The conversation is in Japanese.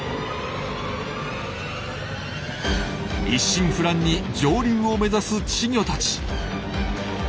一心不乱に上流を目指す稚魚たち。